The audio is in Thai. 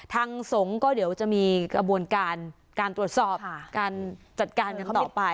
ทางสงฆ์ก็เดี๋ยวจะมีกระบวนการการตรวจสอบการจัดการกันต่อไป